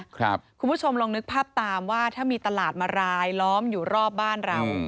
คุณผู้ชมลองนึกภาพตามว่าถ้ามีตลาดมารายล้อมอยู่รอบบ้านเรา